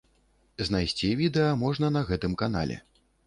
Знайсці відэа можна на гэтым канале.